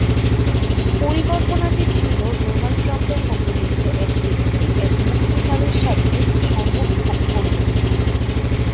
পরিকল্পনাটি ছিল ডোনাল্ড ট্রাম্পের মতো দেখতে এক ব্যক্তি এক মুসলিম নারীর সাথে সঙ্গম করবেন।